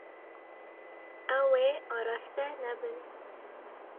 Ew ê araste nebin.